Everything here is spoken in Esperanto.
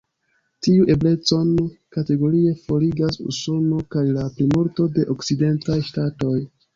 Tiun eblecon kategorie forigas Usono kaj la plimulto de okcidentaj ŝtatoj.